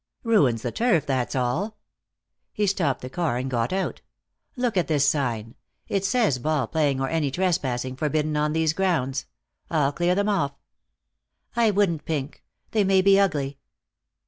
"Ruins the turf, that's all." He stopped the car and got out. "Look at this sign. It says 'ball playing or any trespassing forbidden on these grounds.' I'll clear them off." "I wouldn't, Pink. They may be ugly."